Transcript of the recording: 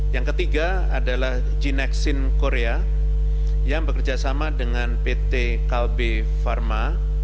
yang ketiga adalah genexin korea yang bekerjasama dengan pt kalbe pharma